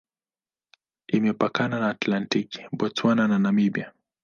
Imepakana na Atlantiki, Botswana na Namibia.